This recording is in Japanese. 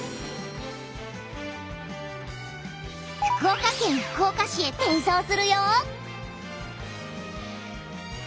福岡県福岡市へ転送するよ！